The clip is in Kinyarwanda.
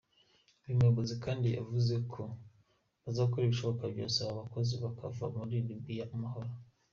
Uyu muyobozi kandi yavuze ko bazakora ibishoboka byose aba bakozi bakava muri Libiya amahoro.